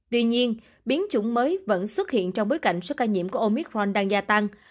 tuy nhiên biến chủng mới vẫn xuất hiện trong bối cảnh số ca nhiễm của omitforn đang gia tăng